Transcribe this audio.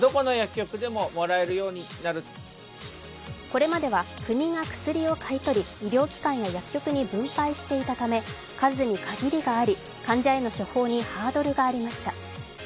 これまでは国が薬を買い取り医療機関や薬局に分配していたため数に限りがあり、患者への処方にハードルがありました。